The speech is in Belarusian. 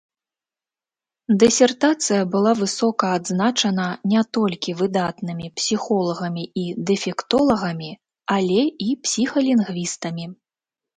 Дысертацыя была высока адзначана не толькі выдатнымі псіхолагамі і дэфектолагамі, але і псіхалінгвістамі.